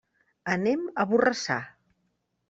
Anem a Borrassà.